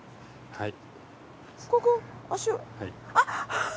はい。